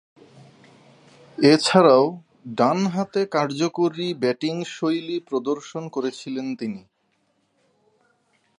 এছাড়াও, ডানহাতে কার্যকরী ব্যাটিংশৈলী প্রদর্শন করেছিলেন তিনি।